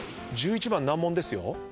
１１番難問ですよ。